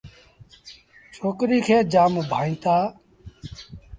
ڇوڪريٚ کي جآم ڀآئيٚتآ۔